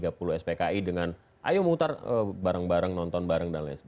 daripada pandangan dan keputusan keputusan berkait dengan fenomena yang ada di republik ini